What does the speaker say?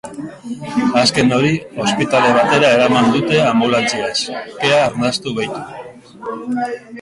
Azken hori ospitale batera eraman dute anbulantziaz, kea arnastu baitu.